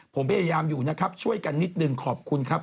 ผมพยายามอยู่นะครับช่วยกันนิดนึงขอบคุณครับ